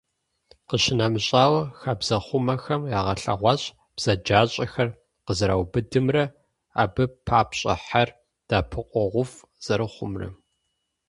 Къищынэмыщӏауэ, хабзэхъумэхэм ягъэлъэгъуащ бзаджащӏэхэр къызэраубыдымрэ, абы папщӏэ хьэр дэӏэпыкъуэгъуфӏ зэрыхъумрэ.